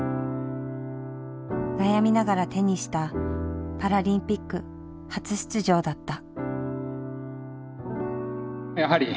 悩みながら手にしたパラリンピック初出場だった。